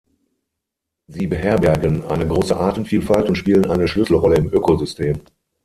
Sie beherbergen eine große Artenvielfalt und spielen eine Schlüsselrolle im Ökosystem.